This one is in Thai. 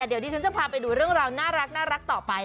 เดี๋ยวดิฉันจะพาไปดูเรื่องราวน่ารักต่อไป